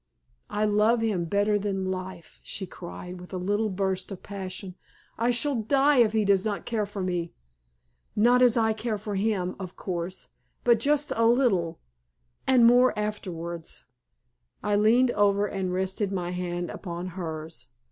I love him better than life," she cried, with a little burst of passion. "I shall die if he does not care for me not as I care for him, of course, but just a little and more afterwards." I leaned over and rested my hand upon hers.